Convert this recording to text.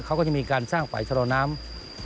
เขาก็จะมีการสร้างฝ่ายชะลอน้ำ